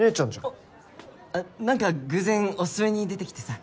あっ何か偶然オススメに出てきてさ。